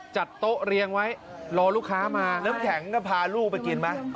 จัดโต๊ะเรียงไว้รอลูกค้ามาน้ำแข็งก็พาลูกไปกินไหม